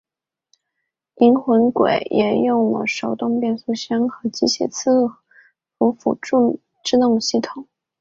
银鬼魂也共用了手动变速箱和机械伺服辅助制动系统。